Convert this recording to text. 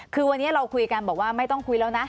คือวันนี้เราคุยกันบอกว่าไม่ต้องคุยแล้วนะ